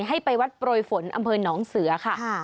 ให้ไปวัดโปรยฝนอำเภอหนองเสือค่ะ